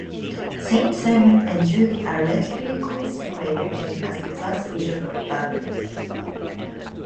Saints Simon and Jude allegedly consecrated him as the first Bishop of Babylon.